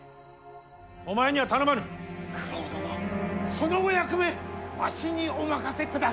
そのお役目わしにお任せください。